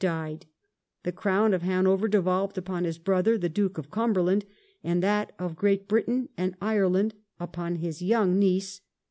died ;. the Crown of Hanover devolved upon his brother, the Duke of Cumberland, and that of Great Britain and Ireland upon his young niece.